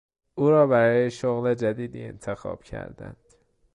او را برای شغل جدیدی انتخاب کردند.